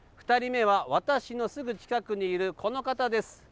２人目は私のすぐ近くにいるこの方です。